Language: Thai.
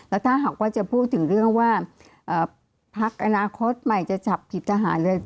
แล้วถ้าหากว่าจะพูดถึงเรื่องว่าพักอนาคตใหม่จะจับผิดทหารเลย